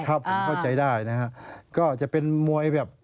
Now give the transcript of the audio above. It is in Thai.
ถ้าผมเข้าใจได้นะฮะก็จะเป็นมวยแบบ